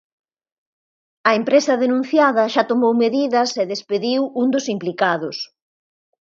A empresa denunciada xa tomou medidas e despediu un dos implicados.